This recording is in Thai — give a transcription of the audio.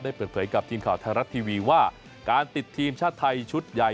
เปิดเผยกับทีมข่าวไทยรัฐทีวีว่าการติดทีมชาติไทยชุดใหญ่